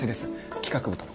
企画部との。